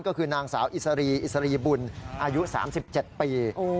ก็คือนางสาวอิสรีอิสรีบุญอายุ๓๗ปี